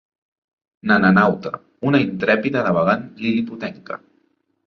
Nananauta: una intrèpida navegant lil·liputenca.